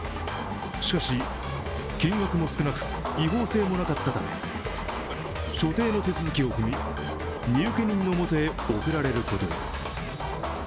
しかし金額も少なく、違法性もなかったため、所定の手続きを踏み荷受け人のもとへ送られることに。